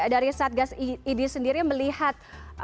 dari satgas idi sendiri melihat